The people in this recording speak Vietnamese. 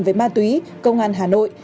với ma túy công an hà nội